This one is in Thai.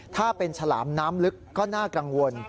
ถ้าเป็นฉลามน้ำลึกก็น่ากังวล